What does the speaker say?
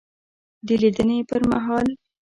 دلیدني پر مهال